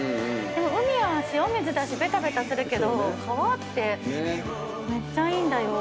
でも海は塩水だしべたべたするけど川ってめっちゃいいんだよって。